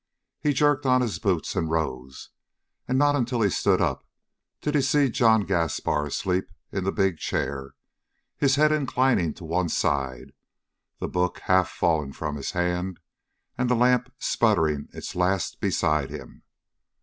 He jerked on his boots and rose, and not until he stood up, did he see John Gaspar asleep in the big chair, his head inclining to one side, the book half fallen from his hand, and the lamp sputtering its last beside him.